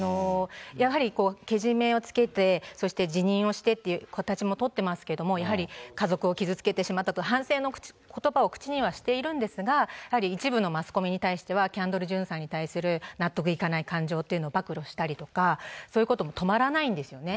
やはりけじめをつけて、そして辞任をしてっていう形も取ってますけども、やはり家族を傷つけてしまったと、反省のことばを口にはしているんですが、やはり一部のマスコミに対しては、キャンドル・ジュンさんに対する納得いかない感情というのを暴露したりとか、そういうことも止まらないんですよね。